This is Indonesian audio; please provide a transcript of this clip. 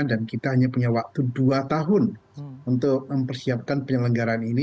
dan kita hanya punya waktu dua tahun untuk mempersiapkan penyelenggaran ini